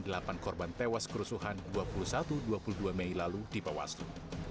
delapan korban tewas kerusuhan dua puluh satu dua puluh dua mei lalu di bawaslu